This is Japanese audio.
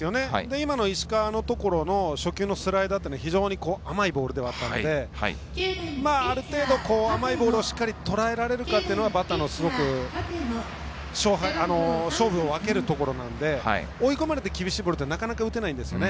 今の石川のところの初球のスライダーは非常に甘いボールではあったのである程度甘いボールをしっかり捉えられるかというのはバッターの勝負を分けるところなので、追い込まれて厳しいボールはなかなか打てないんですよね。